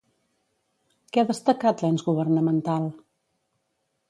Què ha destacat l'ens governamental?